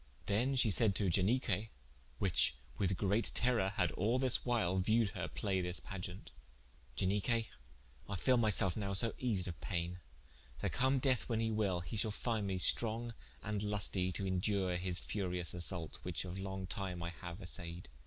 Then shee sayed to Ianique (whiche with great terrour, had all this whyle viewed her play this pageant) "Ianique I feele my selfe now so eased of payne that come death when he will, he shal find me strong and lustie to indure his furious assault, which of long time I haue assaied.